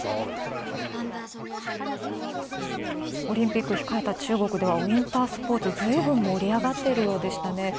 オリンピック控えた中国ではウインタースポーツ、ずいぶん盛り上がってるようでしたね。